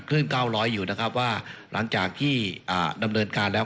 พื้น๙๐๐อยู่ว่าหลังจากที่ดำเนินการแล้ว